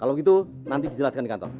kalau gitu nanti dijelaskan di kantor